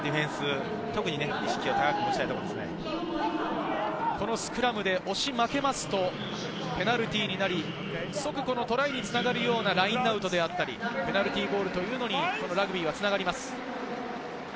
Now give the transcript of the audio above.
スクラムで押し負けるとペナルティーになり、即トライにつながるようなラインアウトであったり、ペナルティーゴールというのに、ラグビーはつながります。